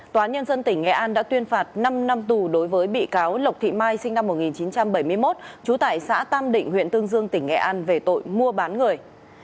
tòa nhân dân tỉnh nghệ an đã tuyên phạt năm năm tù đối với bị cáo lộc thị mai sinh năm một nghìn chín trăm bảy mươi một trú tại xã tam định huyện tương dương tỉnh nghệ an về tội mua bán người